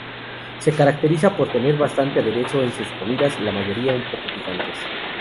Se caracteriza por tener bastante aderezo en sus comidas, la mayoría un poco picantes.